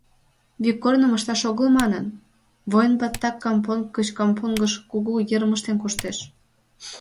Вик корным ышташ огыл манын, воин-баттак кампонг гыч кампонгыш кужу йырым ыштен коштеш.